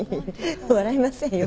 笑いませんよ。